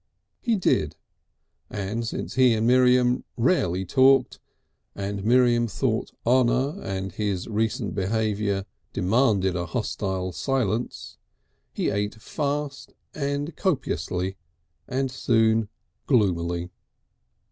He did, and since he and Miriam rarely talked and Miriam thought honour and his recent behaviour demanded a hostile silence, he ate fast, and copiously and soon gloomily.